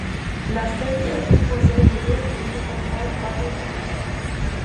La série est composée de de qui ne comportent pas de titres.